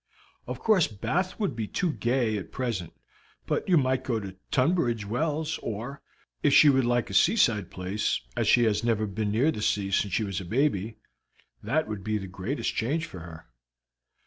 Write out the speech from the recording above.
Of course Bath would be too gay at present; but you might go to Tunbridge Wells, or, if she would like a seaside place, as she has never been near the sea since she was a baby, that would be the greatest change for her.